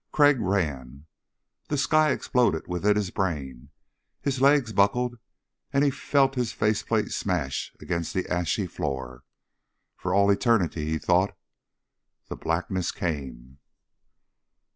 Crag ran. The sky exploded within his brain, his legs buckled and he felt his face plate smash against the ashy floor. For all eternity, he thought. The blackness came.